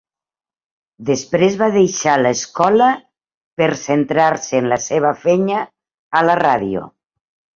Després va deixar l'escola per centrar-se en la seva feina a la ràdio.